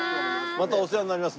またお世話になります。